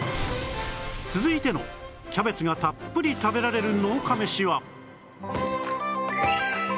続いてのキャベツがたっぷり食べられる農家メシは